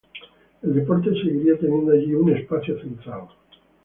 El deporte seguiría teniendo allí un espacio central.